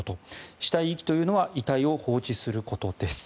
死体遺棄というのは遺体を放置することです。